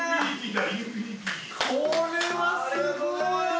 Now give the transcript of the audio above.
これはすごい！